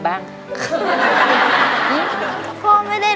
ร้องได้